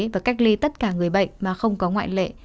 và cách ly tất cả người bệnh mà không có ngoại lệ